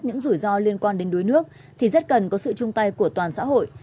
những rủi ro liên quan đến đuối nước thì rất cần có sự chung tay của toàn xã hội